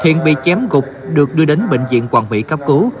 thiện bị chém gục được đưa đến bệnh viện quảng mỹ cấp cứu